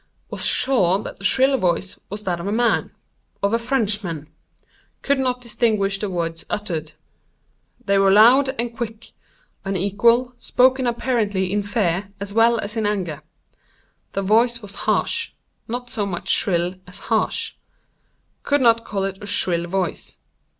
Was sure that the shrill voice was that of a man—of a Frenchman. Could not distinguish the words uttered. They were loud and quick—unequal—spoken apparently in fear as well as in anger. The voice was harsh—not so much shrill as harsh. Could not call it a shrill voice.